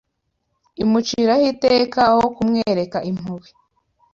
imuciraho iteka aho kumwereka impuhwe